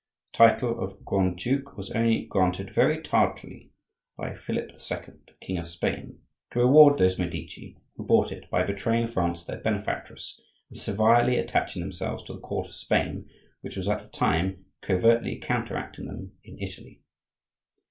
The title of grand duke was only granted very tardily by Philip the Second, king of Spain, to reward those Medici who bought it by betraying France their benefactress, and servilely attaching themselves to the court of Spain, which was at the very time covertly counteracting them in Italy.